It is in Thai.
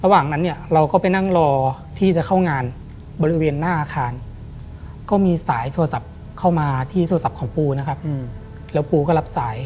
ระหว่างนั้นเราก็ไปนั่งรอที่จะเข้างานบริเวณหน้าอาคาร